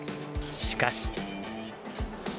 しかし。